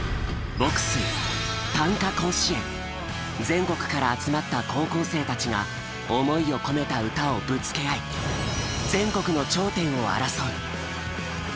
全国から集まった高校生たちが思いを込めた歌をぶつけ合い全国の頂点を争う。